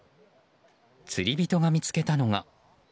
釣り人が見つけたのが。